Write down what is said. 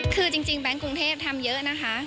คือจริงแบงค์กรุงเทพทำเยอะนะคะ